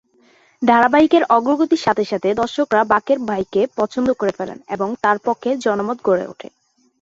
ধারাবাহিকের অগ্রগতির সাথে সাথে দর্শকরা বাকের ভাইকে পছন্দ করে ফেলেন এবং তার পক্ষে জনমত গড়ে উঠে।